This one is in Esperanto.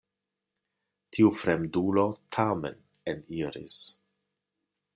Tiu fremdulo tamen eniris.